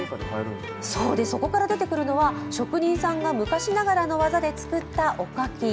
そこから出てくるのは職人さんが昔ながらの技で作ったおかき。